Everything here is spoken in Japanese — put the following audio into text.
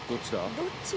「どっち？」